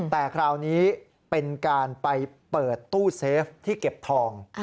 แต่คราวนี้เป็นการไปเปิดตู้เซฟที่เก็บทอง